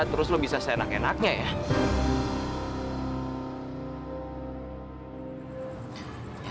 terus lo bisa seenak enaknya ya